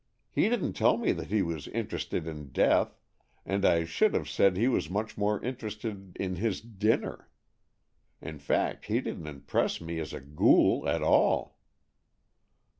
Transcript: He didn't tell me that he was interested in death, and I should have said he was much more interested in his dinner. In fact, he didn't impress me as a ghoul at all."